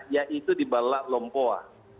yaitu di balak lompoa